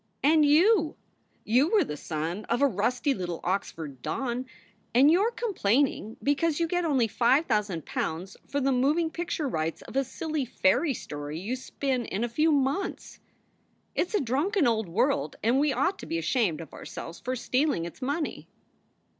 "And you you were the son of a rusty little Oxford don, and you re complaining because you get only five thousand pounds for the moving picture rights of a silly fairy story you spin in a few months. It s a drunken old world and we ought to be ashamed of ourselves for stealing its money."